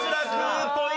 ポイントは？